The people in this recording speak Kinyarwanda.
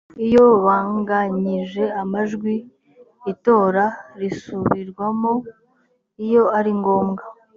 iyo banganyije amajwi itora risubirwamo iyo ari ngombwa